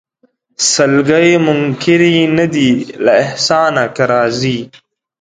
سلګۍ منکري نه دي له احسانه که راځې